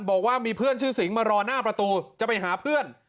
บอกว่ามีเพื่อนชื่อสิงห์มารอหน้าประตูจะไปหาเพื่อน